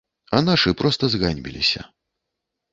А нашы проста зганьбіліся.